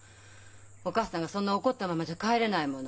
お母さんがそんな怒ったままじゃ帰れないもの。